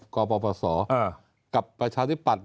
กปศกับประชาธิปัตย